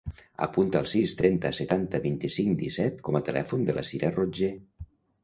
Apunta el sis, trenta, setanta, vint-i-cinc, disset com a telèfon de la Sira Rotger.